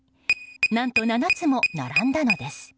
何と、７つも並んだのです。